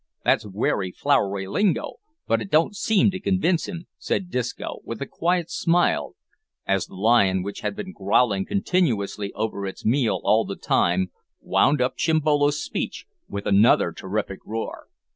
"That's werry flowery lingo, but it don't seem to convince him," said Disco, with a quiet smile, as the lion, which had been growling continuously over its meal all the time, wound up Chimbolo's speech with another terrific roar.